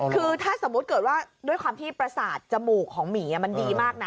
คือถ้าสมมุติเกิดว่าด้วยความที่ประสาทจมูกของหมีมันดีมากนะ